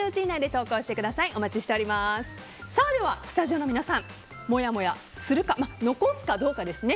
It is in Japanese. では、スタジオの皆さんもやもやするか残すかどうかですね。